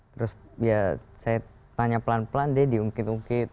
terus ya saya tanya pelan pelan deh diungkit ungkit